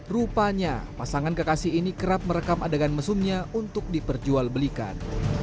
rupanya pasangan kekasih ini kerap merekam adegan mesumnya untuk diperjual belikan